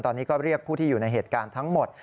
ตอนนี้ก็เรียกผู้ที่อยู่ในเหตุการณ์ทั้งหมด